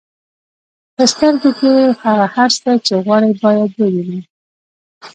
په سترګو کې هغه هر څه چې غواړئ باید ووینئ.